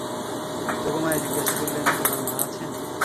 যোগমায়া জিজ্ঞাসা করলেন, তোমার মা আছেন?